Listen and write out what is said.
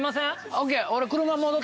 ＯＫ。